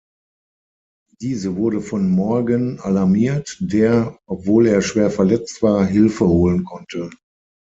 Diese wurde von Morgan alarmiert, der, obwohl er schwer verletzt war, Hilfe holen konnte.